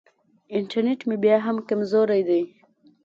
انټرنېټ مې بیا هم کمزوری دی.